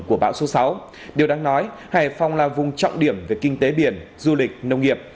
của bão số sáu điều đáng nói hải phòng là vùng trọng điểm về kinh tế biển du lịch nông nghiệp